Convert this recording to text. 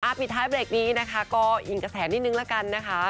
ปิดท้ายเบรกนี้นะคะก็อิงกระแสนิดนึงละกันนะคะ